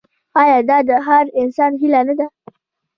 آیا دا د هر انسان هیله نه ده؟